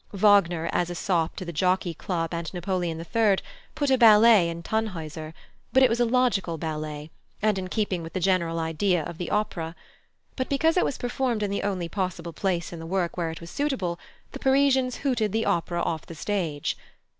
Wagner, as a sop to the Jockey Club and Napoleon III., put a ballet in Tannhäuser, but it was a logical ballet, and in keeping with the general idea of the opera. But because it was performed in the only possible place in the work where it was suitable, the Parisians hooted the opera off the stage.